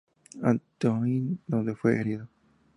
Antoine, donde fue herido.